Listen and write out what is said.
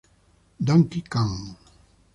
Donkey Kong.